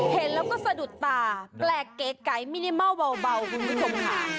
เห็นแล้วก็สะดุดตาแปลกเก๋ไก่มินิเม่าเบาคุณผู้ชมค่ะ